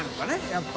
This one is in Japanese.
やっぱ。